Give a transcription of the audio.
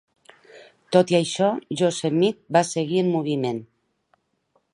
Tot i això, "Yosemite" va seguir en moviment.